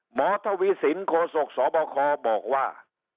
หมอเทวิสินโคสกสอบคอบอกว่า